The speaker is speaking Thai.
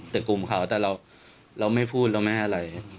แต่กลุ่มเขาแต่เราไม่พูดเราไม่อะไร